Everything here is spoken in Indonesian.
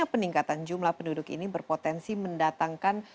peningkatan jumlah penduduk ini berpotensi mendatangkan